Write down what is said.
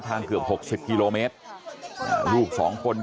ชาวบ้านในพื้นที่บอกว่าปกติผู้ตายเขาก็อยู่กับสามีแล้วก็ลูกสองคนนะฮะ